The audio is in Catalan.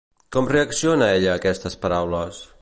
Com reacciona ell a aquestes paraules?